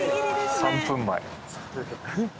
３分前！